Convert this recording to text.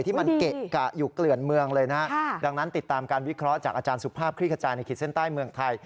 ที่มันเกะกะอยู่เกลื่อนเมืองเลยนะฮะดังนั้นติดตามการวิเคราะห์จากอาจารย์สุภาพคลิกขจายในขีดเส้นใต้เมืองไทย